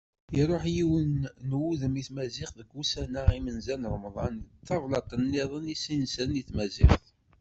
Iruḥ yiwen n wudem i tmaziɣt deg wussan-a imenza n Remḍan, d tablaḍt nniḍen i as-inesren i tmaziɣt.